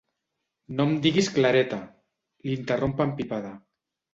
No em diguis Clareta —l'interromp empipada—.